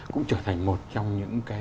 cũng trở thành một trong những cái